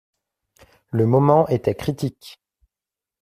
Le moment était critique.